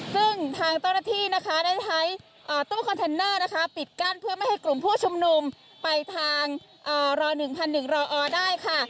ซึ่งทางเจ้าหน้าที่นะคะได้ใช้ตู้คอนเทนเนอร์นะคะปิดกั้นเพื่อไม่ให้กลุ่มผู้ชุมนุมไปทางร๑๐๐๑รอได้ค่ะ